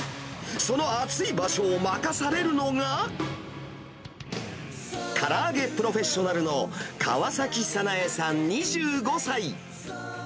その暑い場所を任されるのが、から揚げプロフェッショナルの川崎早苗さん２５歳。